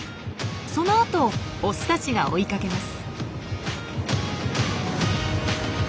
その後をオスたちが追いかけます。